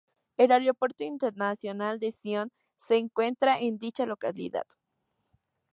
El aeropuerto Internacional de Sion se encuentra en dicha localidad.